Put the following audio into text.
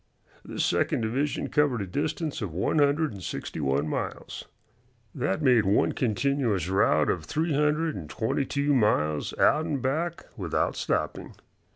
This second division covered a distance of one hundred and sixty one miles. That made one continuous route of three hundred and twenty two miles out and back without stopping.